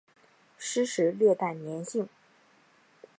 湿时略带黏性。